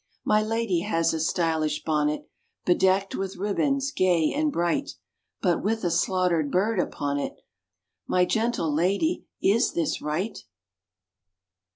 My lady has a stylish bonnet, Bedecked with ribands gay and bright, But with a slaughtered bird upon it. My gentle lady, is this right?